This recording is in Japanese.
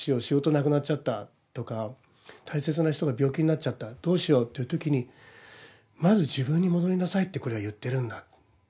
仕事なくなっちゃった」とか「大切な人が病気になっちゃったどうしよう」という時に「まず自分に戻りなさい」ってこれは言ってるんだ。